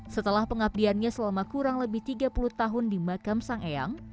setelah pengabdiannya selama kurang lebih tiga puluh tahun di makam sang eyang